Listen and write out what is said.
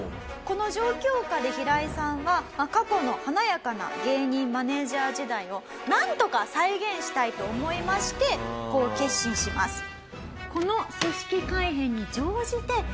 この状況下でヒライさんは過去の華やかな芸人マネジャー時代をなんとか再現したいと思いましてこう決心します。